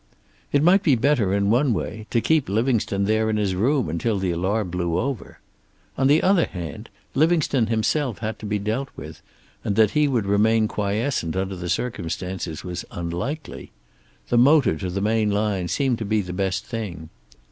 It might be better, in one way, to keep Livingstone there in his room until the alarm blew over. On the other hand, Livingstone himself had to be dealt with, and that he would remain quiescent under the circumstances was unlikely. The motor to the main line seemed to be the best thing.